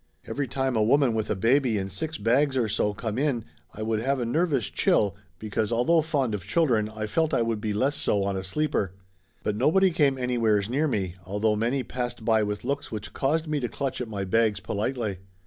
Every time a woman with a baby and six bags or so come in I would have a nervous chill, because although fond of children I felt I would be less so on a sleeper. But nobody came anywheres near me, although many passed by with looks which caused me to clutch at my bags politely.